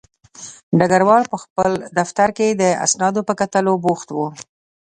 ډګروال په خپل دفتر کې د اسنادو په کتلو بوخت و